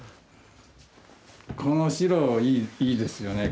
この白いいですよね。